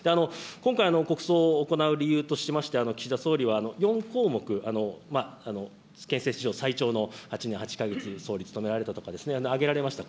今回、国葬を行う理由としまして、岸田総理は４項目、憲政史上最長の８年８か月、総理務められたとか、挙げられました。